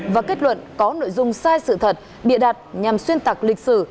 và kết luận có nội dung sai sự thật bịa đặt nhằm xuyên tạc lịch sử